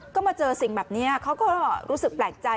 ก็มาเจอสิ่งแบบนี้เขาก็รู้สึกแปลกใจ